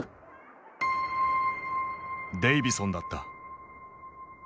デイヴィソンだった。